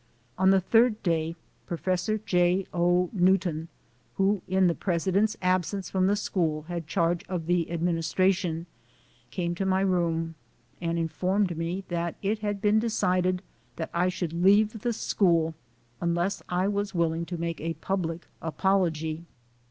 On the third day, Professor J. O. Newton, who in the president's absence from the school had charge of the adminis tration, came to my room and informed me that it had been decided that I should leave the school unless I was willing to make a public apology.